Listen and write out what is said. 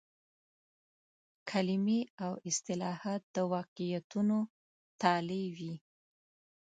کلمې او اصطلاحات د واقعیتونو تالي وي.